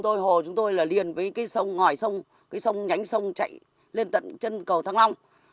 tôi hồ chúng tôi là liền với cái sông ngòi sông cái sông nhánh sông chạy lên tận chân cầu thăng long